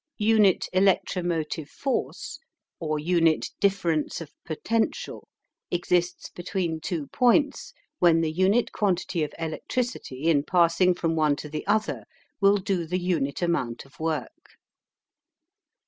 UNIT ELECTROMOTIVE FORCE, or unit DIFFERENCE OF POTENTIAL exists between two points when the unit quantity of electricity in passing from one to the other will do the unit amount of work.